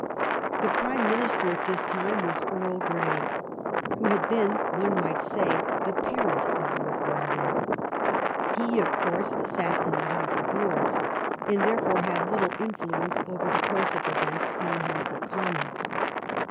The Prime Minister at this time was Earl Grey, who had been, one might say, the parent of the Reform Bill. He, of course, sat in the House of Lords, and therefore had little influence over the course of events in the House of Commons.